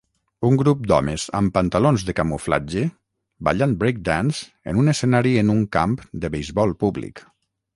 Un grup d'homes amb pantalons de camuflatge ballant breakdance en un escenari en un camp de beisbol públic